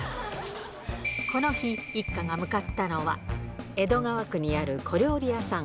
この日、一家が向かったのは、江戸川区にある小料理屋さん。